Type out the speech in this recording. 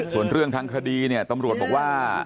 ส่วนเรื่องทางคดีเนี่ยตำรวจบอกว่า